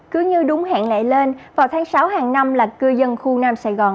cứ như đúng hẹn lại lên vào tháng sáu hàng năm là cư dân khu nam sài gòn